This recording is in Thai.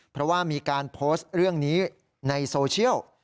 เพราะว่ามีการโพสต์เรื่องนี้ในโซเชียล